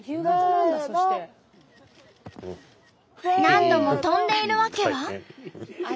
何度も跳んでいる訳は。